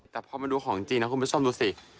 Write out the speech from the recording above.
แต่พอมาดูของจริงนะคุณผู้ชมดูสิ